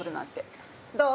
どう？